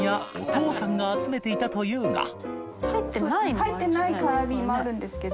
入ってない空瓶もあるんですけど。